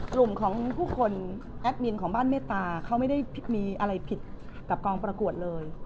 กลุ่มของผู้คนแอดมินของบ้านเมตตาเขาไม่ได้มีอะไรผิดกับกองประกวดเลย